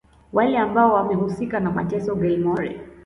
wale ambao wamehusika na mateso Gilmore